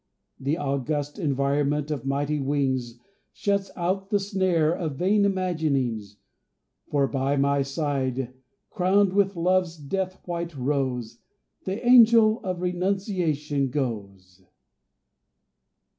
The august environment of mighty wings Shuts out the snare of vain imaginings, For by my side, crowned with Love's death white rose, The Angel of Renunciation goes.